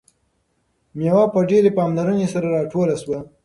میوه په ډیرې پاملرنې سره راټوله شوه.